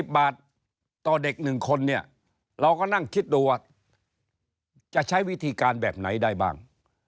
บาทต่อเด็ก๑คนเนี่ยเราก็นั่งคิดดูว่าจะใช้วิธีการแบบไหนได้บ้าง